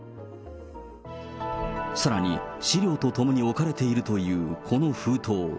さらに資料とともに置かれているというこの封筒。